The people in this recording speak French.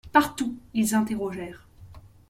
Partout ils interrogèrent.